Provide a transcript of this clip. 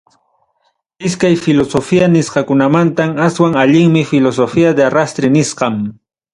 Iskay filosofía nisqakunamantam, aswan allinmi filosofía de arrastre nisqam.